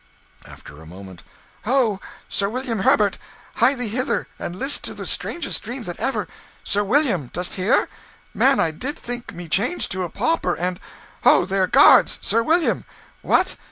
After a moment "Ho, Sir William Herbert! Hie thee hither, and list to the strangest dream that ever ... Sir William! dost hear? Man, I did think me changed to a pauper, and ... Ho there! Guards! Sir William! What!